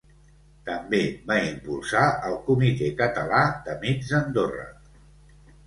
També va impulsar el Comitè Català d'Amics d'Andorra.